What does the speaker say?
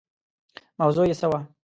موضوع یې څه وي.